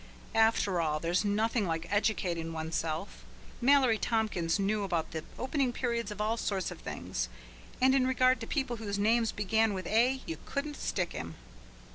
After all, there's nothing like educating oneself. Mallory Tompkins knew about the opening period of all sorts of things, and in regard to people whose names began with "A" you couldn't stick him.